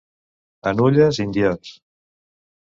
A Nulles, indiots.